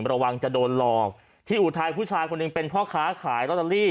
ระวังจะโดนหลอกที่อุทัยผู้ชายคนหนึ่งเป็นพ่อค้าขายลอตเตอรี่